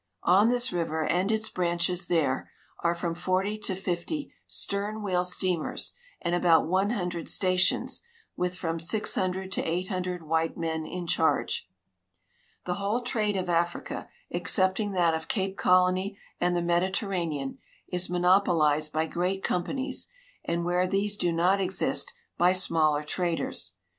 On this river and its branches there are from forty to fifty stern wheel steamers and about 100 sta tions, Avith from 600 to SOO white men in charge. The Avhole trade of Africa, excepting that of Cape Colony and the Mediterranean, is monopolized by great companies, and where these do not exist, by smaller traders.